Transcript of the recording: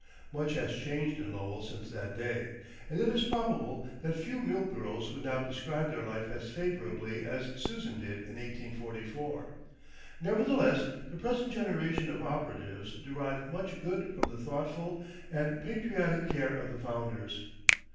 Much has changed in Lowell since that day, and it is probable that few mill girls would now describe their life as favorably as Susan did in 1844. Nevertheless, the present generation of operatives derive much good from the thoughtful and patriotic care of the founders.